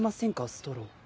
ストロー。